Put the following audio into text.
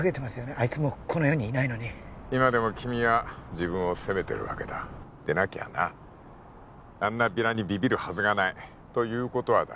あいつもうこの世にいないのに今でも君は自分を責めてるわけだでなきゃなあんなビラにビビるはずがないということはだ